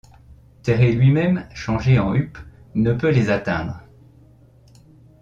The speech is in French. Térée lui-même, changé en huppe, ne peut les atteindre.